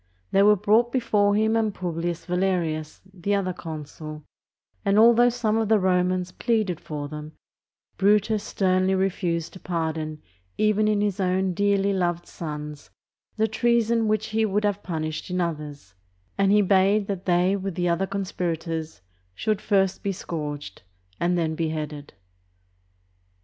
They were brought before him and Publius Valerius, the other consul, and although some of the Romans pleaded for them, Brutus sternly refused to pardon even in his own dearly loved sons the treason which he would have punished in others, and he bade that they with the other conspirators should first be scourged and then beheaded.